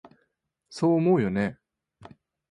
そう思うよね？